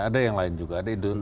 ada yang lain juga